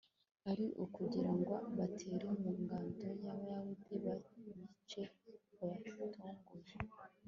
ari ukugira ngo batere mu ngando y'abayahudi, babice babatunguye